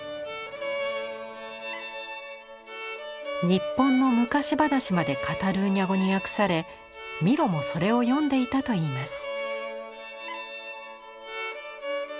日本の昔話までカタルーニャ語に訳されミロもそれを読んでいたといいます。